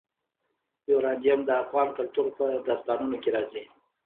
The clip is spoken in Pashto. یورانیم د افغان کلتور په داستانونو کې راځي.